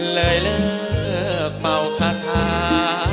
เลยเลิกเมาคาถา